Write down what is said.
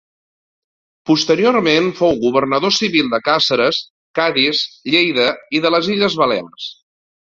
Posteriorment fou governador civil de Càceres, Cadis, Lleida i de les Illes Balears.